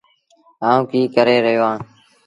آئوٚنٚ ڪيٚ ڪري رهيو اهآنٚ